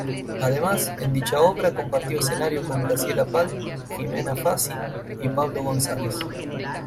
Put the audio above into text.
Además, en dicha obra compartió escenario con Graciela Pal, Ximena Fassi y Pablo González.